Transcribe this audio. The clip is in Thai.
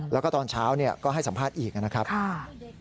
แล้วก็ตอนเช้าก็ให้สัมภาษณ์อีกนะครับ